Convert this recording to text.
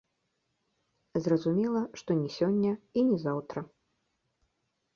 Зразумела, што не сёння і не заўтра.